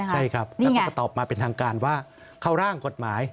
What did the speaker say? ใช่ครับแล้วเขาก็ตอบมาเป็นทางการว่าเข้าร่างกฎหมาย